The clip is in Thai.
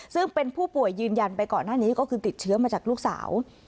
ซึ่งเป็นผู้ป่วยยืนยันไปก่อนหน้านี้ก็คือติดเชื้อมาจากลูกสาว